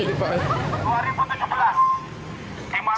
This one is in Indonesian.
sebenarnya sejak tahun dua ribu tujuh belas